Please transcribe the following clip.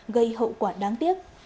gây hậu quả đáng tiếc